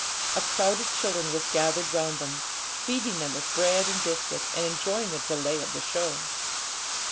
A crowd of children was gathered round them, feeding them with bread and biscuit, and enjoying the delay of the show.